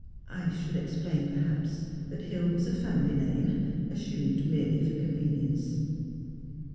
... I should explain, perhaps, that Hill was a family name, as sumed merely for convenience."